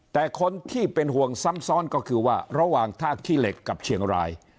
แต่คนที่เป็นห่วงซ้ำซ้อนก็คือว่าระหว่างท่าขี้เหล็กกับเชียงราย